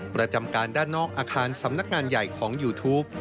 ประจำการด้านนอกอาคารสำนักงานใหญ่ของยูทูป